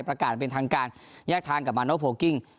ประกาศเป็นทางการแยกทางกับมาโนโพลกิ้ง